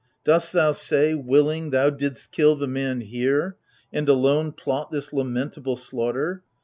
Dost thou say — willing, thou didst kill the man here, And, alone, plot this lamentable slaughter